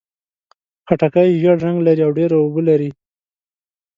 خټکی ژېړ رنګ لري او ډېر اوبه لري.